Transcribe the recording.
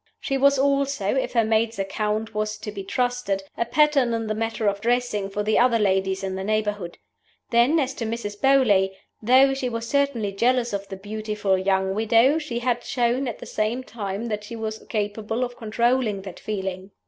She was also (if her maid's account was to be trusted) a pattern in the matter of dressing for the other ladies in the neighborhood. Then, as to Mrs. Beauly, though she was certainly jealous of the beautiful young widow, she had shown at the same time that she was capable of controlling that feeling.